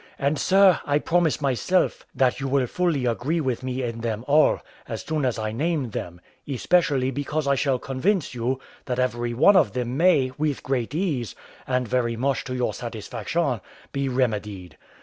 And, sir, I promise myself that you will fully agree with me in them all, as soon as I name them; especially because I shall convince you, that every one of them may, with great ease, and very much to your satisfaction, be remedied.